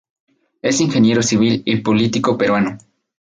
Es Ingeniero Civil y político peruano.